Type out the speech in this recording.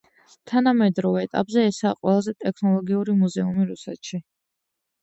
თანამედროვე ეტაპზე ესაა ყველაზე ტექნოლოგიური მუზეუმი რუსეთში.